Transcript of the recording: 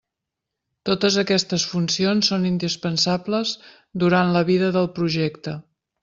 Totes aquestes funcions són indispensables durant la vida del projecte.